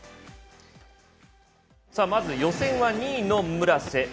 まず予選は２位の村瀬